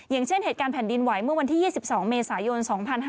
อย่างเช่นเหตุการณ์แผ่นดินไหวเมื่อวันที่๒๒เมษายน๒๕๕๙